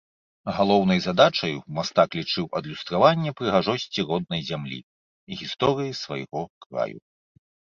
Галоўнай задачаю мастак лічыў адлюстраванне прыгажосці роднай зямлі, гісторыі свайго краю.